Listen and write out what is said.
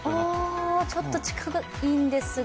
ちょっと近いんですが。